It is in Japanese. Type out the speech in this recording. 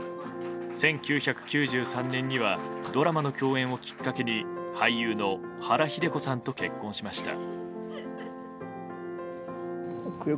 １９９３年にはドラマの共演をきっかけに俳優の原日出子さんと結婚しました。